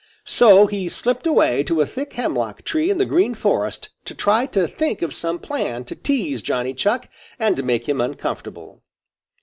So he slipped away to a thick hemlock tree in the Green Forest to try to think of some plan to tease Johnny Chuck and make him uncomfortable.